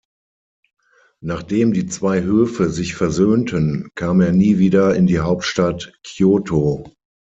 Nachdem die zwei Höfe sich versöhnten, kam er nie wieder in die Hauptstadt Kyōto.